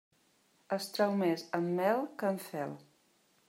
Es trau més amb mel que amb fel.